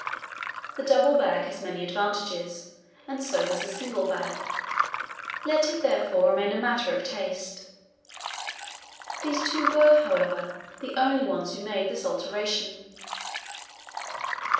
The double bag has many advantages, and so has the single bag; let it therefore remain a matter of taste. Those two were, however, the only ones who made this alteration.